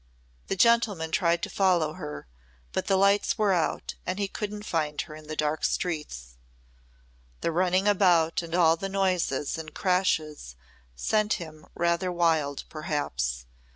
The gentleman tried to follow her but the lights were out and he couldn't find her in the dark streets. The running about and all the noises and crashes sent him rather wild perhaps.